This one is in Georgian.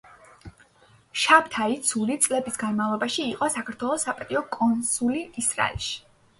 შაბთაი ცური წლების განმავლობაში იყო საქართველოს საპატიო კონსული ისრაელში.